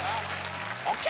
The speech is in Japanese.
ＯＫ！